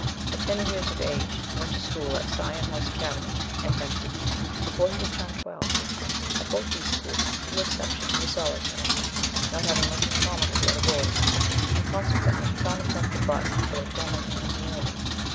At ten years of age he went to school at Sion House Academy, and thence to Eton, before he was turned twelve. At both these schools, with little exception, he was solitary, not having much in common with the other boys, and consequently he found himself the butt for their tormenting ingenuity.